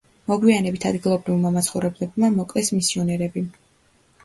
მოგვიანებით ადგილობრივმა მაცხოვრებლებმა მოკლეს მისიონერები.